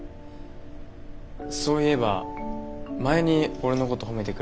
そういえば前に俺のこと褒めてくれた時も。